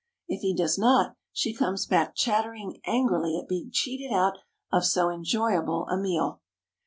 If he does not, she comes back chattering angrily at being cheated out of so enjoyable a meal.